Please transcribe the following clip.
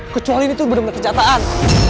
kecuali ini benar benar kejataan